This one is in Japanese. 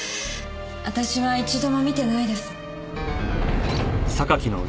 私は一度も見てないです。